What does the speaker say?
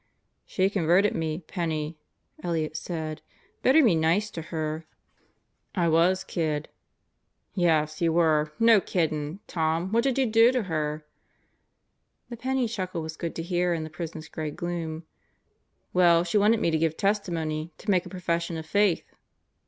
"She converted me, Penney," Elliott said. "Better be nice to her." 82 God Goes to Murderer's Row "I was, kid." "Yes, you were! No kiddin', Tom, what did you do to her?" The Penney chuckle was good to hear in the prison's gray gloom. "Well, she wanted me to give testimony, to make a pro fession of Faith.